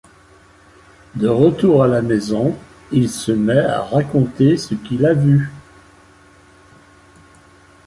De retour à la maison, il se met à raconter ce qu’il a vu.